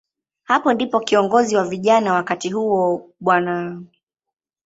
Hapo ndipo kiongozi wa vijana wakati huo, Bw.